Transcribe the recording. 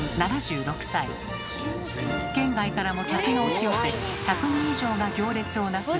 県外からも客が押し寄せ１００人以上が行列をなす